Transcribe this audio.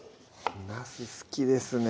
なす好きですね